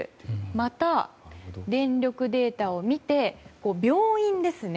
また、電力データを見て病院ですね。